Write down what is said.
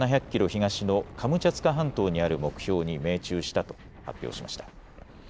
東のカムチャツカ半島にある目標に命中したと発表しました。